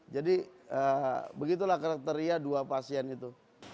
jadi begitulah kriteria dua pasien itu